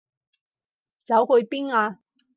走去邊啊？